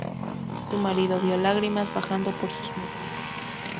Su marido vio lágrimas bajando por sus mejillas.